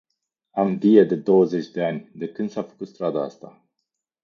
Am vie de douăzeci de ani, de când s-a făcut strada asta.